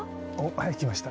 はい行きました。